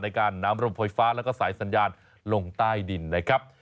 ในการนำโรงไฟฟ้าแล้วก็สายสัญญาณลงใต้ดินนะครับ